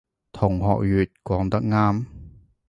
同學乙講得啱